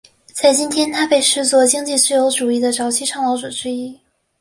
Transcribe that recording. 在今天他被视作经济自由主义的早期倡导者之一。